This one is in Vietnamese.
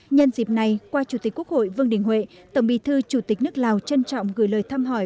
nhân dịp này qua chủ tịch quốc hội vương đình huệ tổng bí thư chủ tịch nước lào trân trọng gửi lời thăm hỏi